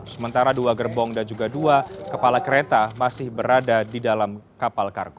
sementara dua gerbong dan juga dua kepala kereta masih berada di dalam kapal kargo